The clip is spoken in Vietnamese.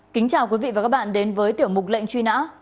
kính chào quý vị và các bạn đến với tiểu mục lệnh truy nã